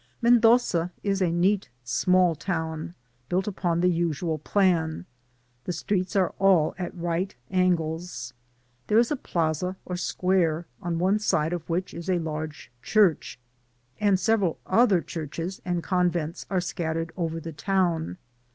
Mendoza is a neat small town, built upon the usual South American plan. The streets are all at right angles; there is a plaza or square, on one side of which there is a large church, and several other churches and convents are scattered over the town.